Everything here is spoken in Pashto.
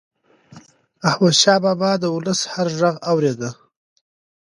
احمدشاه بابا به د ولس هر ږغ اورېده.